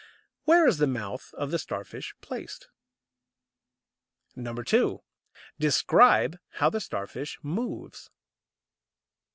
Where is the mouth of the Starfish placed? 2. Describe how the Starfish moves.